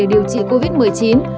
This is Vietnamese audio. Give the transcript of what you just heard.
để chữa bệnh trị covid một mươi chín